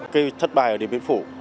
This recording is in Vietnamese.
cái thất bại ở điện biên phủ